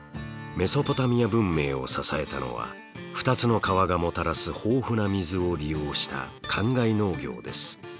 メソポタミア文明を支えたのは２つの川がもたらす豊富な水を利用した灌漑農業です。